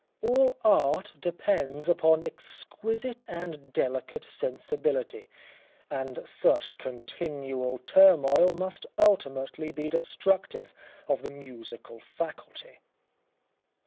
All Art depends upon exquisite and delicate sensibility, and such continual turmoil must ultimately be destructive of the musical faculty.